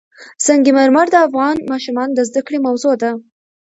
سنگ مرمر د افغان ماشومانو د زده کړې موضوع ده.